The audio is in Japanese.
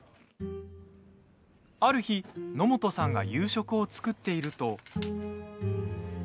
ある日、野本さんが夕食を作っていると。